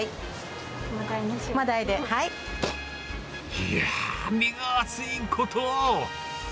いやー、身が厚いこと。